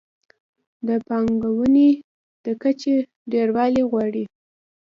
د پانګونې د کچې ډېروالی غواړي.